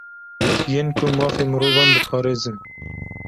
Yên ku mafê mirovan diparêzin